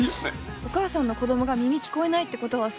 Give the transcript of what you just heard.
お母さんの子供が耳聞こえないってことはさ